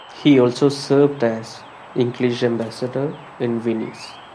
He also served as English ambassador in Venice.